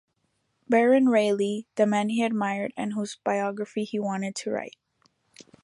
Baron Rayleigh, the man he admired and whose biography he wanted to write.